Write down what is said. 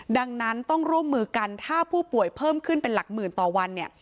ดังนั้นต้องร่วมมือกันถ้าผู้ป่วยเพิ่มขึ้นเป็นหลักหมื่นต่อวันเนี่ย